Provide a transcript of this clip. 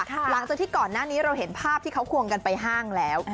หลังจากที่ก่อนหน้านี้เราเห็นภาพที่เขาควงกันไปห้างแล้ว